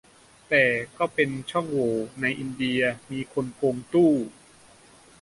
แต่ก็เป็นช่องโหว่ - ในอินเดียมีคนโกงตู้